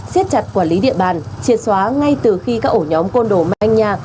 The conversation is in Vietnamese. xét chặt quản lý địa bàn triệt xóa ngay từ khi các ổ nhóm côn đồ manh nhà